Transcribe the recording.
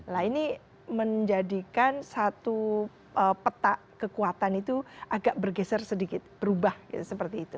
nah ini menjadikan satu peta kekuatan itu agak bergeser sedikit berubah seperti itu